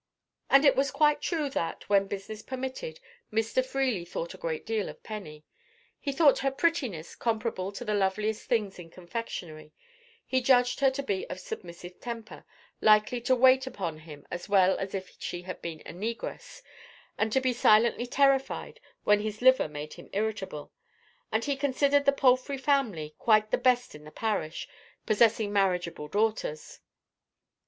And it was quite true that, when business permitted, Mr. Freely thought a great deal of Penny. He thought her prettiness comparable to the loveliest things in confectionery; he judged her to be of submissive temper—likely to wait upon him as well as if she had been a negress, and to be silently terrified when his liver made him irritable; and he considered the Palfrey family quite the best in the parish, possessing marriageable daughters.